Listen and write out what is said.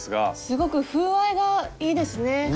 すごく風合いがいいですね。